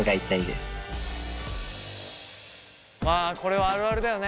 まあこれはあるあるだよね。